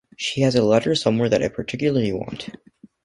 She has a letter somewhere that I particularly want.